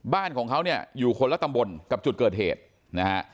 บ้านของเขาเนี่ยอยู่คนละตำบลกับจุดเกิดเหตุนะฮะ